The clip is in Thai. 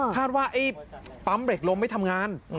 แทบว่าไอเจปำเปร็คลมไม่ทำงาน